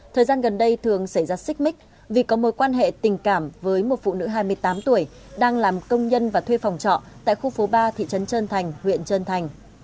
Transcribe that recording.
thời gian gần đây thường xảy ra xích mích vì có mối quan hệ tình cảm với một phụ nữ hai mươi tám tuổi đang làm công nhân và thuê phòng trọ tại khu phố ba thị trấn trơn thành huyện trân thành